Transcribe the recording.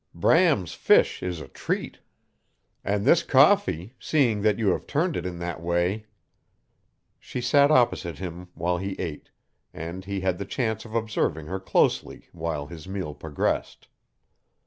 Bram's fish is a treat. And this coffee, seeing that you have turned it in that way " She sat opposite him while he ate, and he had the chance of observing her closely while his meal progressed.